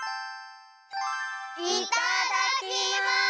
いただきます！